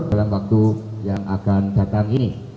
dalam waktu yang akan datang ini